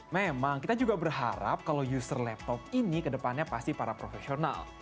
memang kita juga berharap kalau user laptop ini kedepannya pasti para profesional